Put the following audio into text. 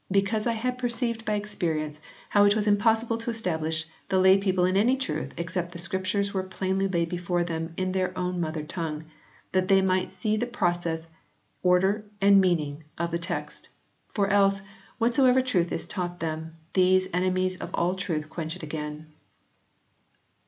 Because I had perceived by experience how it was impossible to establish the lay people in any truth except the Scriptures were plainly laid before them in their mother tongue, that they might see the process, order and meaning of the text ; for else, whatsoever truth is taught them, these enemies of all truth quench it again."